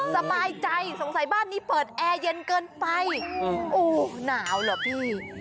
สบายใจสงสัยบ้านนี้เปิดแอร์เย็นเกินไปโอ้หนาวเหรอพี่